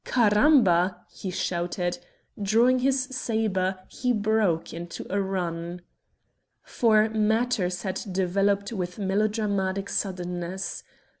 "Caramba!" he shouted. Drawing his sabre, he broke into a run. For matters had developed with melodramatic suddenness.